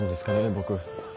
僕。